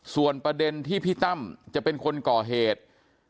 ส่วนประเด็นที่พี่ตั้มจะเป็นคนก่อเหตุ